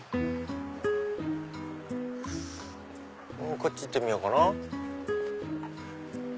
こっち行ってみようかな。